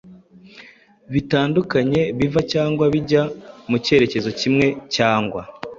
bitandukanye biva cyangwa bijya mu cyerekezo kimwe cyangwa